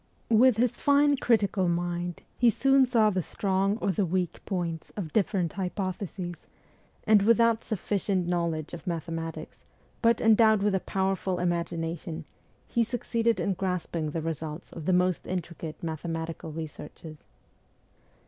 With his fine critical mind he soon saw the strong or the weak points of different hypotheses; and without sufficient knowledge of mathematics, but endowed with a powerful imagina tion, he succeeded in grasping the results of the most intricate mathematical researches.